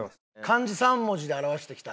漢字３文字で表してきた。